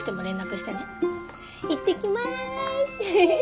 行ってきます。